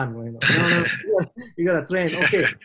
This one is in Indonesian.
anda harus berlatih oke